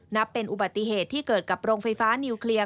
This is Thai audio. นับเป็นอุบัติเหตุที่เกิดกับโรงไฟฟ้านิวเคลียร์